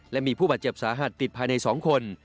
และมีผู้บาดเจ็บสาหัสติดภายใน๒คน